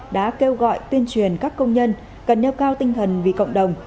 đã kêu gọi tuyên truyền các công nhân cần nêu cao tinh thần vì cộng đồng